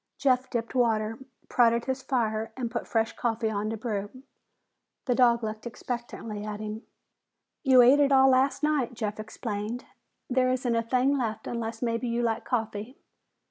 Jeff dipped water, prodded his fire and put fresh coffee on to brew. The dog looked expectantly at him. "You ate it all last night," Jeff explained. "There isn't a thing left unless maybe you like coffee."